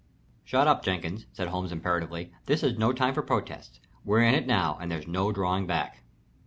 "Shut up, Jenkins!" said Holmes, imperatively. "This is no time for protests. We're in it now and there's no drawing back."